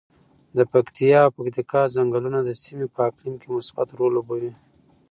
د پکتیا او پکتیکا ځنګلونه د سیمې په اقلیم کې مثبت رول لوبوي.